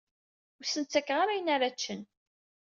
Ur sen-ttakeɣ ara ayen ara ččen.